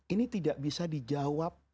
ini tidak bisa dijawab